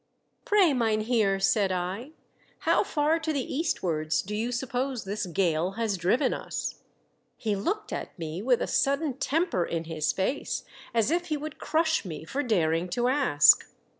"Pray, mynheer," said I, "how far to the eastwards do you suppose this gale has driven us ?" He looked at me with a sudden temper in his face as if he would crush me for daring to ask.